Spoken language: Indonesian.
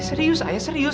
serius ayah serius